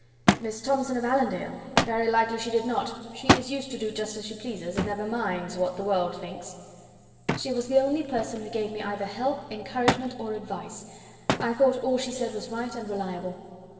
"Miss Thomson of Allendale: very likely she did not she is used to do just as she pleases, and never minds what the world thinks." "She was the only person who gave me either help, encouragement, or advice. I thought all she said was right and reliable.